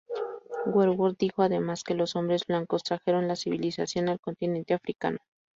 Verwoerd dijo además que los hombres blancos trajeron la civilización al continente africano.